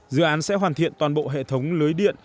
dự án sẽ hoàn thiện toàn bộ hệ thống lưới điện